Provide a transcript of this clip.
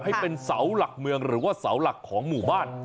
ให้เป็นเสาหลักเมืองหรือว่าเสาหลักของหมู่บ้าน